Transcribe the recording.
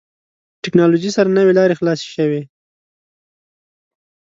ټکنالوژي سره نوې لارې خلاصې شوې.